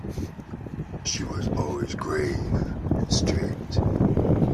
She was always grave and strict.